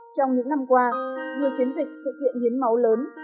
trong những năm qua nhiều chiến dịch sự kiện hiến máu lớn